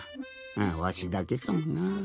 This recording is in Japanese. あわしだけかもなぁ。